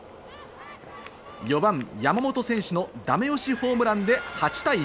４番・山本選手のだめ押しホームランで８対１。